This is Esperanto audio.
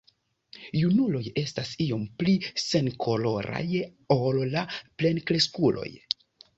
Junuloj estas iom pli senkoloraj ol la plenkreskuloj.